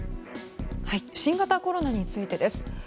新型コロナについてです。